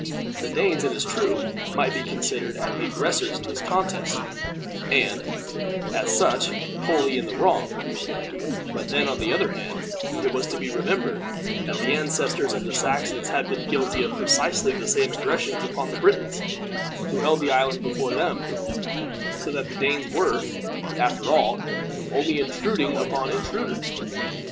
The Danes, it is true, might be considered as the aggressors in this contest, and, as such, wholly in the wrong; but then, on the other hand, it was to be remembered that the ancestors of the Saxons had been guilty of precisely the same aggressions upon the Britons, who held the island before them; so that the Danes were, after all, only intruding upon intruders.